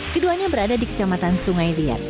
keduanya berada di kecamatan sungai liat